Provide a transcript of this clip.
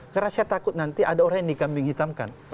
karena saya takut nanti ada orang yang dikambing hitamkan